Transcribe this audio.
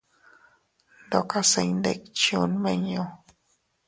Ndokase iyndikchuu nmiñu.